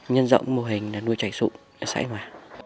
nhân rộng mô hình nuôi chạch sụn ở xã yên hòa